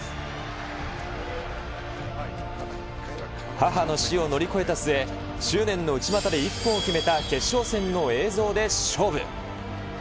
母の死を乗り越えた末、執念の内股で一本を決めた決勝戦の映像で勝負。